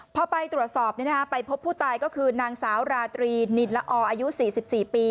พอไปตรวจสอบไปพบผู้ตายก็คือนางสาวราตรีนินละออายุ๔๔ปี